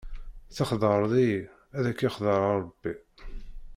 Texdeɛḍ-iyi ad k-yexdeɛ rebbi!